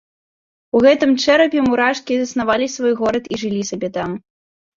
У гэтым чэрапе мурашкі заснавалі свой горад і жылі сабе там.